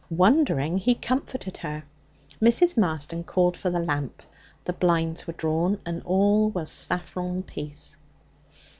Wondering, he comforted her. Mrs. Marston called for the lamp; the blinds were drawn, and all was saffron peace.